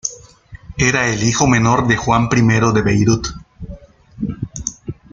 Era el hijo menor de Juan I de Beirut.